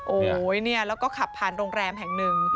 โอ้โหเนี่ยแล้วก็ขับผ่านโรงแรมแห่งหนึ่ง